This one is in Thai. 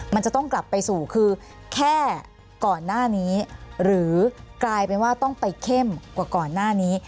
มันจะต้องกลับไปสู่คือแค่ก่อนหน้านี้หรือกลายเป็นว่าต้องไปเข้มกว่าก่อนหน้านี้